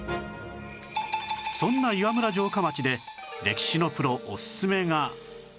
そんな岩村城下町で歴史のプロおすすめが